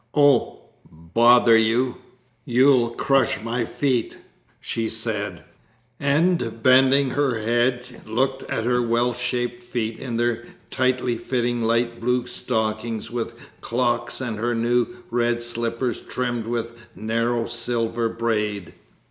'Oh, bother you! you'll crush my feet,' she said, and bending her head looked at her well shaped feet in their tightly fitting light blue stockings with clocks and her new red slippers trimmed with narrow silver braid.